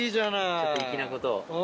ちょっと粋なことを。